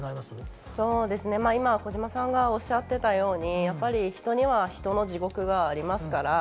今、児嶋さんがおっしゃってたように人には人の地獄がありますから。